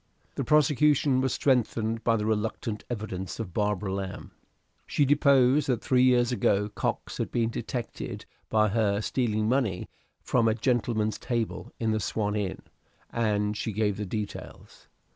The prosecution was strengthened by the reluctant evidence of Barbara Lamb. She deposed that three years ago Cox had been detected by her stealing money from a gentleman's table in the "Swan" Inn, and she gave the details.